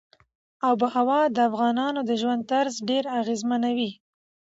آب وهوا د افغانانو د ژوند طرز ډېر اغېزمنوي.